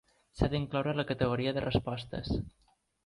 S'ha d'incloure la categoria de respostes.